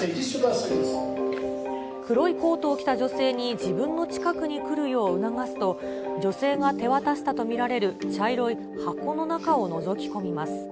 黒いコートを着た女性に、自分の近くに来るよう促すと、女性が手渡したと見られる茶色い箱の中をのぞきこみます。